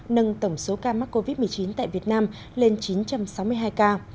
nâng tổng số ca mắc covid một mươi chín tại việt nam lên chín trăm sáu mươi hai ca